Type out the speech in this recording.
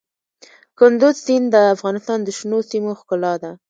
کندز سیند د افغانستان د شنو سیمو ښکلا ده.